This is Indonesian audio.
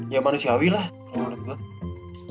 ya manusiawi lah kalau menurut gue